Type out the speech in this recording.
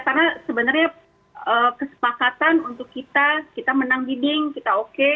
karena sebenarnya kesepakatan untuk kita kita menang giding kita oke